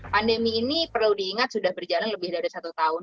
pandemi ini perlu diingat sudah berjalan lebih dari satu tahun